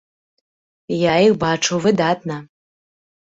Я іх бачыў выдатна.